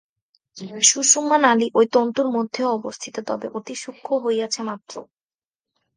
সুষুম্না নালী ঐ তন্তুর মধ্যেও অবস্থিত, তবে অতি সূক্ষ্ম হইয়াছে মাত্র।